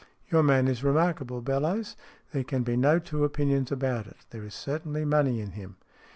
Your man is remarkable, Bellowes. There can be no two opinions about it. There is certainly money in him."